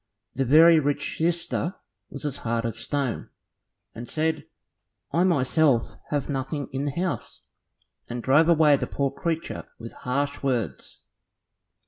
The very rich sister was as hard as a stone, and said, "I myself have nothing in the house," and drove away the poor creature with harsh words.